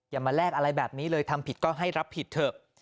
อย่ามาแลกอะไรแบบนี้เลยทำผิดก็ให้รับผิดเถอะ